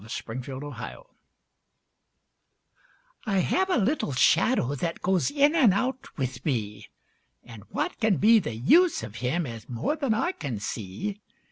[Pg 20] MY SHADOW I have a little shadow that goes in and out with me, And what can be the use of him is more than I can see.